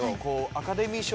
アカデミー賞